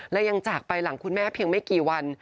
และยังจากไปหลังคุณแม่เพียงไม่กี่วัน